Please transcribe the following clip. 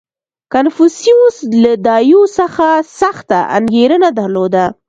• کنفوسیوس له دایو څخه سخته انګېرنه درلوده.